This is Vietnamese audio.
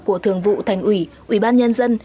của thường vụ thành ủy ủy ban nhân dân